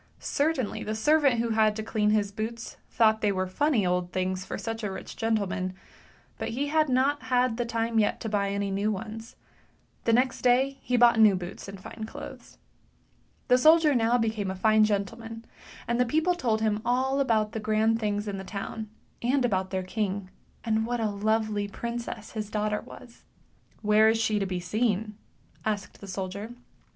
Certainly the servant who had to clean his boots thought they were funny old things for such a rich gentleman, but he had not had time yet to buy any new ones; the next day he bought new boots and fine clothes. The soldier now became a fine gentleman, and the people told him all about the grand things in the town, and about their king, and what a lovely princess his daughter was. " Where is she to be seen? " asked the soldier.